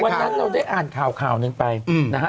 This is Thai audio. วันนั้นเราได้อ่านข่าวข่าวหนึ่งไปนะฮะ